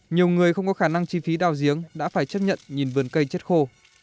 nhiều người không có khả năng chi phí đào giếng đã phải chấp nhận nhìn vườn cây chết khô